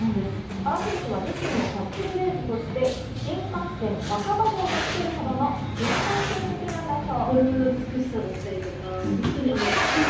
原選手は自身のキャッチフレーズとして、「新幹線わかば号」とつけるほどの新幹線好きなんだそう。